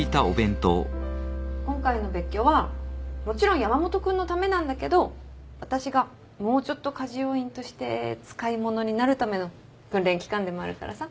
今回の別居はもちろん山本君のためなんだけど私がもうちょっと家事要員として使い物になるための訓練期間でもあるからさ。